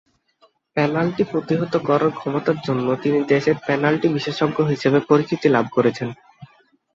Penalty প্রতিহত করার ক্ষমতার জন্য তিনি দেশের পেনাল্টি বিশেষজ্ঞ হিসেবে পরিচিতি লাভ করেছেন।